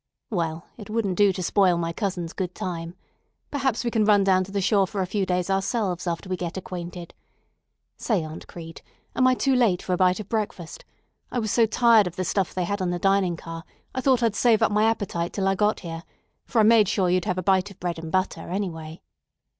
"Well, it wouldn't do to spoil my cousin's good time. Perhaps we can run down to the shore for a few days ourselves after we get acquainted. Say, Aunt Crete, am I too late for a bite of breakfast? I was so tired of the stuff they had on the dining car I thought I'd save up my appetite till I got here, for I made sure you'd have a bite of bread and butter, anyway."